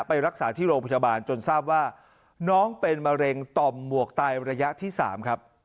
ไปรักษาที่โรงพยาบาลจนทราบว่าน้องเป็นมะเร็งต่อมหมวกไตระยะที่๓ครับ